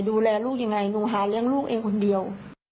ดูแลลูกยังไงหนูหาเลี้ยงลูกเองคนเดียว